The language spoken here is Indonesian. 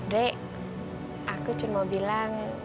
dek aku cuma mau bilang